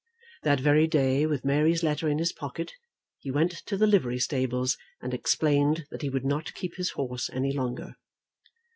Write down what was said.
That very day, with Mary's letter in his pocket, he went to the livery stables and explained that he would not keep his horse any longer.